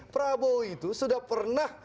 prabowo itu sudah pernah